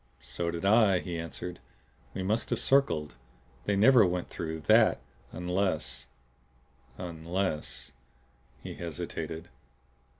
"So did I," he answered. "We must have circled. They never went through THAT unless unless " He hesitated.